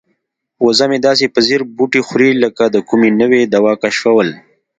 وزه مې داسې په ځیر بوټي خوري لکه د کومې نوې دوا کشفول.